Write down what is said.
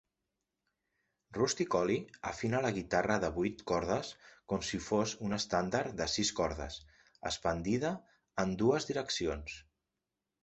Rusty Cooley afina la guitarra de vuit cordes com si fos una estàndard de sis cordes expandida en dues direccions.